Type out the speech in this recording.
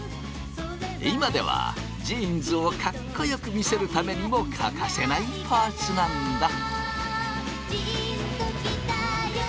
今ではジーンズをかっこよく見せるためにも欠かせないパーツなんだ。